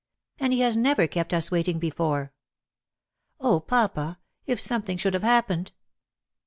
And he has never kept us waiting before. O papa, if something should have happened